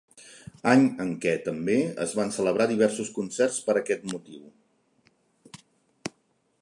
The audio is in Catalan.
Any en què, també, es van celebrar diversos concerts per aquest motiu.